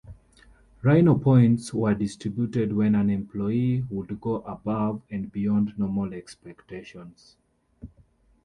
"Rhino Points" were distributed when an employee would go above and beyond normal expectations.